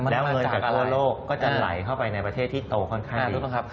แล้วเงินจากทั่วโลกก็จะไหลเข้าไปในประเทศที่โตค่อนข้างเยอะครับ